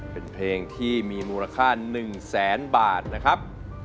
เป็นเพลงที่มีมูลค่า๑แสนบาทนะครับ